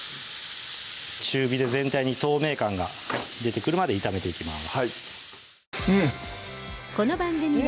中火で全体に透明感が出てくるまで炒めていきます